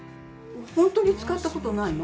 本当に使ったことないの？